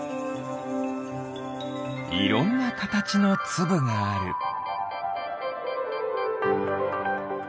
いろんなカタチのつぶがある。